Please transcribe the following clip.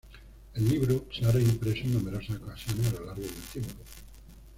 El libro se ha reimpreso en numerosas ocasiones a lo largo del tiempo.